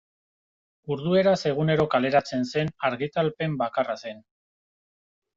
Kurdueraz egunero kaleratzen zen argitalpen bakarra zen.